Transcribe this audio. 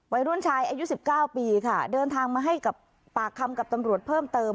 วัยรุ่นชายอายุ๑๙ปีค่ะเดินทางมาให้กับปากคำกับตำรวจเพิ่มเติม